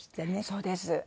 そうです。